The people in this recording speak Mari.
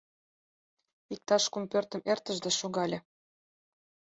Иктаж кум пӧртым эртыш да шогале.